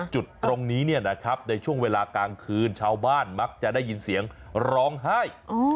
จุดตรงนี้ในช่วงเวลากลางคืนชาวบ้านมักจะได้ยินเสียงร้องไห้